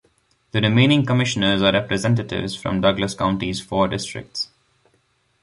The remaining commissioners are representatives from Douglas County's four districts.